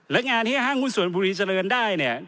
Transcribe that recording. และงานที่ห้างหุ้นส่วนบุรีเจริญได้เนี่ย